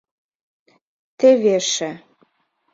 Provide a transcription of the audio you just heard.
Теве эше...